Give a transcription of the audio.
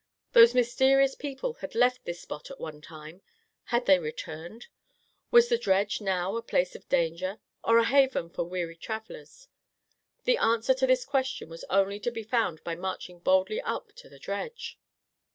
Those mysterious people had left this spot at one time. Had they returned? Was the dredge now a place of danger, or a haven for weary travellers? The answer to this question was only to be found by marching boldly up to the dredge.